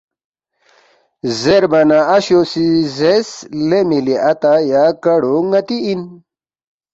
زیربا نہ اشو سی زیرس، ”لے مِلی اتا یا کاڑو ن٘تی اِن